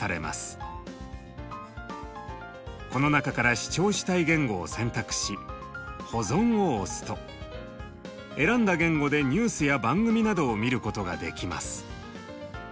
この中から視聴したい言語を選択し「保存」を押すと選んだ言語でニュースや番組などを見ることができます。